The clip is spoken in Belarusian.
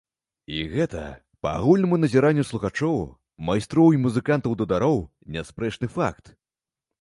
І гэта, па агульнаму назіранню слухачоў, майстроў і музыкантаў-дудароў, неаспрэчны факт!